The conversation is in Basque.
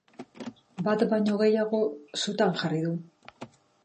Bat baino gehiago sutan jarri du.